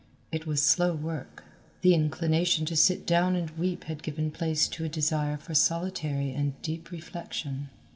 It was slow work. The inclination to sit down and weep had given place to a desire for solitary and deep reflection.